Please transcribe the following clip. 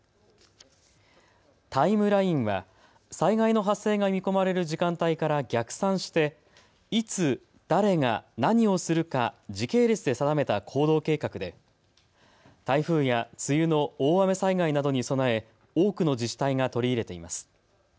タイムラインは災害の発生が見込まれる時間帯から逆算していつ、誰が、何をするか時系列で定めた行動計画で台風や梅雨の大雨災害などに備え多くの自治体が取り入れています。